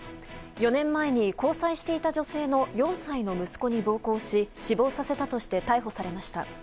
４年前に交際していた女性の４歳の息子に暴行し死亡させたとして逮捕されました。